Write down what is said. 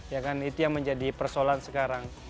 ya kan itu yang menjadi persoalan sekarang